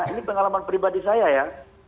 ini pengalaman pribadi saya ya